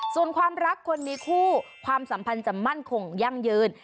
ส่วนความรักคนมีคู่ความสัมพันธ์จะมั่นคงยั่งยืน